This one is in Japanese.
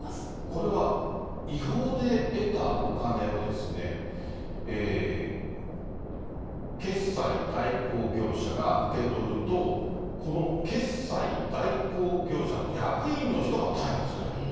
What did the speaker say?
これは、違法で得たお金を、決済代行業者が受け取ると、この決済代行業者の役員の人が逮捕されると。